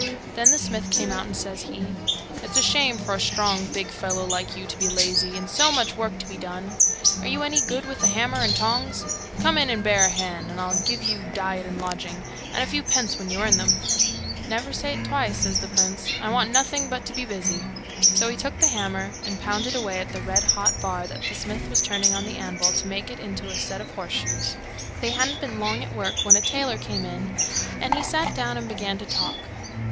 Then the smith came out, and says he, 'It's a shame for a strong, big fellow like you to be lazy, and so much work to be done. Are you any good with hammer and tongs? Come in and bear a hand, an I'll give you diet and lodging, and a few pence when you earn them.' 'Never say't twice,' says the prince. 'I want nothing but to be busy.' So he took the hammer, and pounded away at the red hot bar that the smith was turning on the anvil to make into a set of horse shoes. They hadn't been long at work when a tailor came in, and he sat down and began to talk.